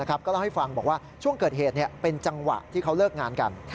ก็เล่าให้ฟังบอกว่าช่วงเกิดเหตุเป็นจังหวะที่เขาเลิกงานกัน